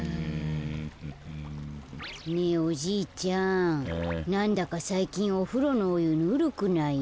ねえおじいちゃんなんだかさいきんおふろのおゆぬるくない？